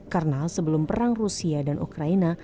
karena sebelum perang rusia dan ukraina